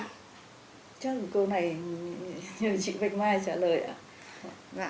chắc là câu này nhờ chị bạch mai trả lời ạ